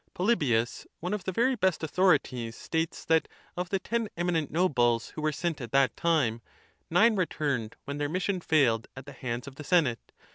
Polybius, one of the very best authorities, states that of the ten eminent nobles who were sent at that time^ nine returned when their mission failed at the hands of the senate.